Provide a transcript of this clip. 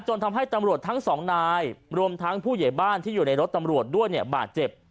ทำให้ตำรวจทั้งสองนายรวมทั้งผู้ใหญ่บ้านที่อยู่ในรถตำรวจด้วยเนี่ยบาดเจ็บ